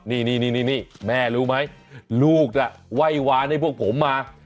นี่แม่รู้ไหมลูกน่ะไหว้วานให้พวกผมมา